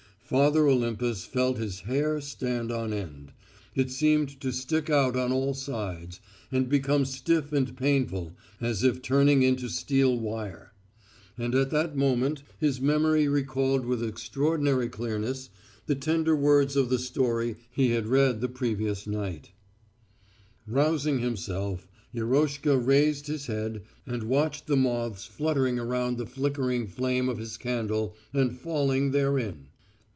Father Olympus felt his hair stand on end. It seemed to stick out on all sides, and become stiff and painful as if turning into steel wire. And at that moment his memory recalled with extraordinary clearness the tender words of the story he had read the previous night: "Rousing himself, Yeroshka raised his head and watched the moths fluttering around the flickering flame of his candle and falling therein.